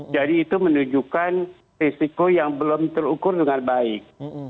jadi itu menunjukkan risiko yang belum terukur dengan baik